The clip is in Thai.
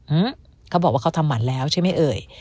อืมเขาบอกว่าเขาทำหมันแล้วใช่ไหมเอ่ย